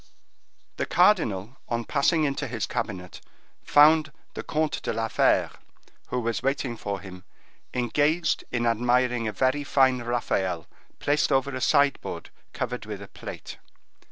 The cardinal, on passing into his cabinet, found the Comte de la Fere, who was waiting for him, engaged in admiring a very fine Raphael placed over a sideboard covered with a plate.